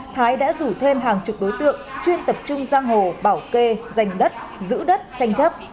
thái đã rủ thêm hàng chục đối tượng chuyên tập trung giang hồ bảo kê giành đất giữ đất tranh chấp